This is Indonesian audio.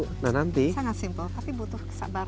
tapi butuh kesabaran